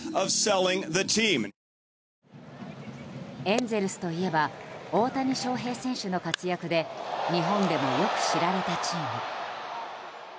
エンゼルスといえば大谷翔平選手の活躍で日本でも、よく知られたチーム。